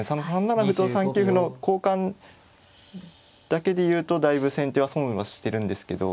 ３七歩と３九歩の交換だけで言うとだいぶ先手は損はしてるんですけど。